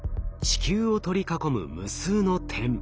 地球を取り囲む無数の点。